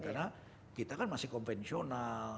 karena kita kan masih konvensional